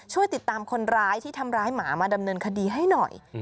ช่วยติดตามคนร้ายที่ทำร้ายหมามาดำเนินคดีให้หน่อย